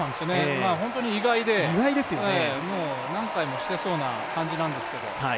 本当に意外で、もう何回もしてそうな感じなんですけど。